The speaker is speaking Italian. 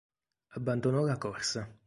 Abbandonò la corsa.